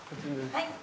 はい。